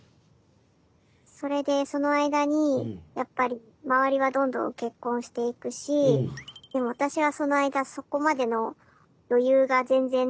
それでその間にやっぱり周りはどんどん結婚していくしでも私はその間そこまでの余裕が全然ない。